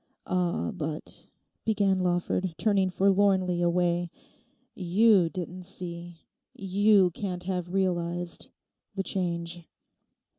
'Ah, but,' began Lawford, turning forlornly away, 'you didn't see, you can't have realized—the change.